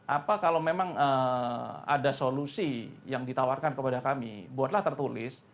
apa kalau memang ada solusi yang ditawarkan kepada kami buatlah tertulis